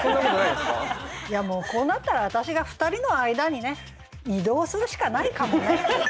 いやもうこうなったら私が２人の間にね移動するしかないかもね。